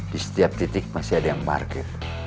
di setiap titik masih ada yang parkir